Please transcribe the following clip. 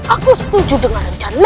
aku setuju dengan rencanamu